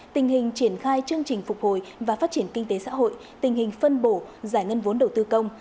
tình hình triển khai chương trình phục hồi và phát triển kinh tế xã hội tình hình phân bổ giải ngân vốn đầu tư công